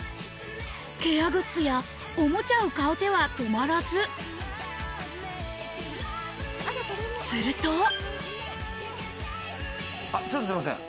ケアグッズやおもちゃを買う手は止まらずするとちょっとすいません。